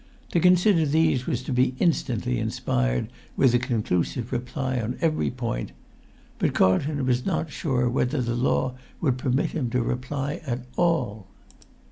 To consider these was to be instantly inspired with a conclusive reply on every point; but Carlton was not sure whether the law would permit him to reply at all.